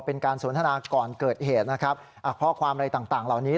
เป็นการสนทนาก่อนเกิดเหตุนะครับข้อความอะไรต่างเหล่านี้